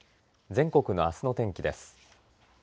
全国のあすの天気です。